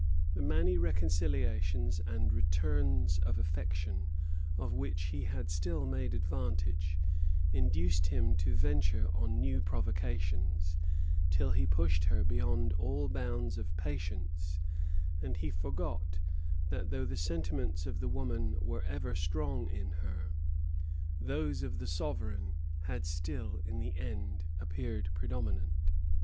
The many reconciliations and returns of affection, of which he had still made advantage, induced him to venture on new provocations, till he pushed her beyond all bounds of patience; and he forgot, that though the sentiments of the woman were ever strong in her, those of the sovereign had still in the end appeared predominant.